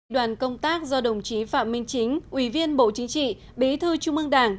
đoàn công tác do đồng chí phạm minh chính ủy viên bộ chính trị bí thư trung ương đảng